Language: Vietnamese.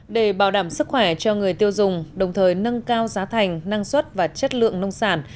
để bảo đảm sức khỏe cho người tiêu dùng đồng thời nâng cao giá thành năng suất và chất lượng nông sản